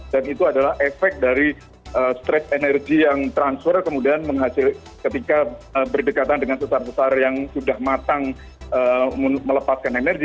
dan itu adalah efek dari stress energi yang transfer kemudian menghasil ketika berdekatan dengan sesat besar yang sudah matang melepaskan energi